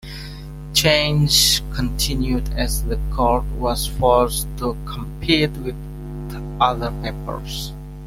Changes continued as The Cord was forced to compete with other papers.